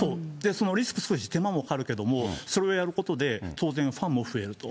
そのリスク、少し手間もかかるけれども、それをやることによって、当然ファンも増えると。